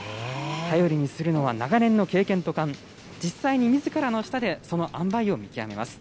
頼りにするのは長年の経験と勘、実際にみずからの舌でそのあんばいを見極めます。